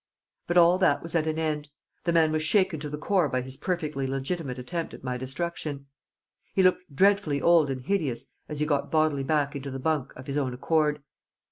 But all that was at an end; the man was shaken to the core by his perfectly legitimate attempt at my destruction. He looked dreadfully old and hideous as he got bodily back into the bunk of his own accord.